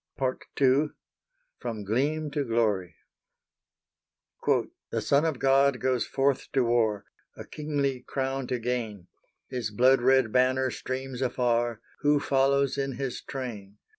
*Part II. FROM GLEAM TO GLORY.* "The Son of God goes forth to war A kingly crown to gain; His blood red banner streams afar: Who follows in His train?